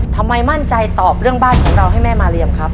ทำไมมั่นใจตอบเรื่องบ้านของเราให้แม่มาเรียมครับ